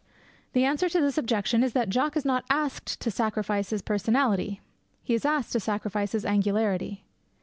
The answer to this objection is that Jock is not asked to sacrifice his personality; he is asked to sacrifice his angularity.